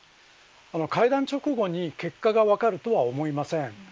会談直後に結果が分かるとは思いません。